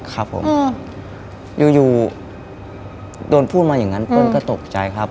ครับผมอยู่โดนพูดมาอย่างนั้นเปิ้ลก็ตกใจครับ